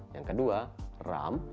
yang kedua ram